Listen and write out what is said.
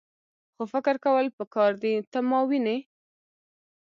خو فکر کول پکار دي . ته ماوینې؟